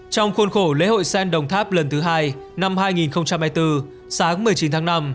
trong khuôn khổ lễ hội sen đồng tháp lần thứ hai năm hai nghìn hai mươi bốn sáng một mươi chín tháng năm